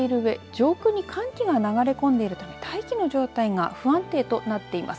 上空に寒気が流れ込んでいるため大気の状態が不安定となっています。